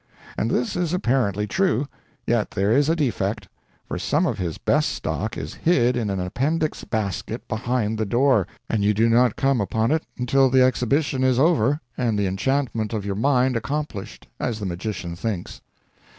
And this is apparently true, yet there is a defect, for some of his best stock is hid in an appendix basket behind the door, and you do not come upon it until the exhibition is over and the enchantment of your mind accomplished as the magician thinks.